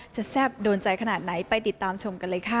แซ่บโดนใจขนาดไหนไปติดตามชมกันเลยค่ะ